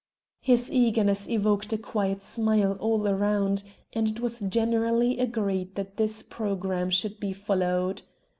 His eagerness evoked a quiet smile all round, and it was generally agreed that this programme should be followed.